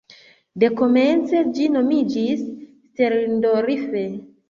De komence ĝi nomiĝis "Sterndorf".